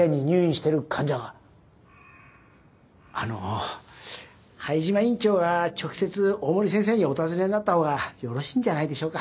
あの灰島院長が直接大森先生にお尋ねになった方がよろしいんじゃないでしょうか？